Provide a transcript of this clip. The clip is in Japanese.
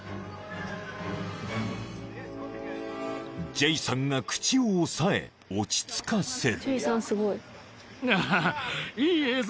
［ジェイさんが口を押さえ落ち着かせる］